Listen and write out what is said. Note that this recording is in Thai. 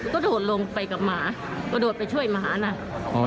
ก็โดดลงไปกับหมาก็โดดไปช่วยหมาน่ะอ๋อเด็กน้อง